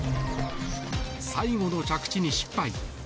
最後の着地に失敗。